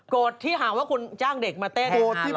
โกรธที่ห่างว่าคุณจ้างเด็กมาเต้น๕๐๐